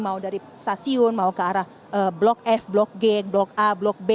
mau dari stasiun mau ke arah blok f blok g blok a blok b